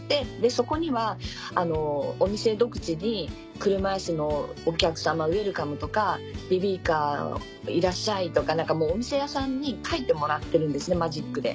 そこにはお店独自に「車いすのお客様ウエルカム」とか「ベビーカーいらっしゃい」とかお店屋さんに書いてもらってるんですマジックで。